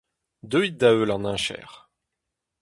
Deuit da-heul an heñcher…